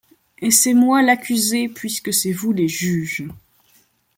Et c'est moi l'accusé, puisque c'est vous les juges.